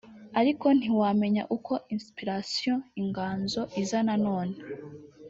ariko ntiwamenya uko inspiration(inganzo)iza nanone